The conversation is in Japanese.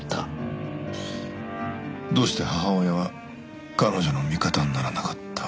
どうして母親は彼女の味方にならなかった？